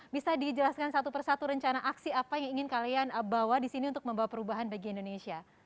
bisa dijelaskan satu persatu rencana aksi apa yang ingin kalian bawa di sini untuk membawa perubahan bagi indonesia